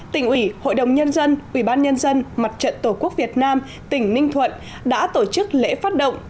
tỉnh ủy hội đồng nhân dân ubnd mặt trận tổ quốc việt nam tỉnh ninh thuận đã tổ chức lễ phát động